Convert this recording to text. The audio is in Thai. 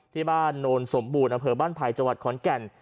ที่บ้านโนลสมบูรณ์อเผลอบ้านภัยจวัดขอนแก่น